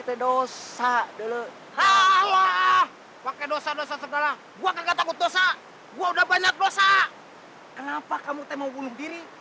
tidak ada orang yang membunuh diri